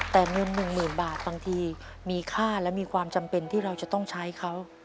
แต่เงิน๑๐๐๐บาทบางทีมีค่าและมีความจำเป็นที่เราจะต้องใช้เขา